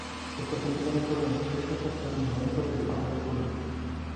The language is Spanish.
Estas elecciones fueron estrechas hasta el momento de llegar a las urnas.